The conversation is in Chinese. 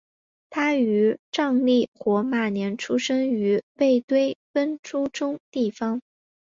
他于藏历火马年生于卫堆奔珠宗地方。